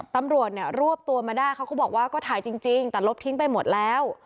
ตำรวจเนี่ยรวบตัวมาได้เขาก็บอกว่าก็ถ่ายจริงแต่ลบทิ้งไปหมดแล้ว